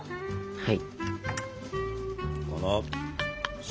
はい。